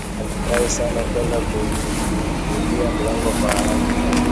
Alifurahi sana na kwenda kumfungulia mlango kwa haraka